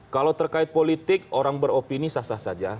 kalau terkait politik orang beropini sah sah saja